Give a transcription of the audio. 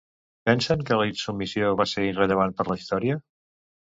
Pensen que la insubmissió va ser irrellevant per la història?